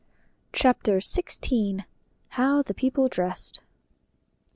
CHAPTER XVI. HOW THE PEOPLE DRESSED.